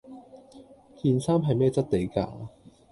件衫係咩質地架